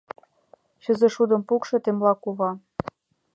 — Чызышудым пукшо! — темла кува.